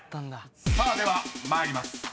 ［さあでは参ります］